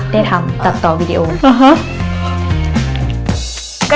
ได้ทำตัดต่อวีดีโอ